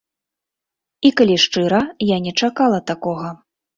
І калі шчыра, я не чакала такога.